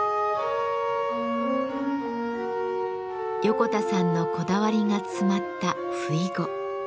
横田さんのこだわりが詰まったふいご。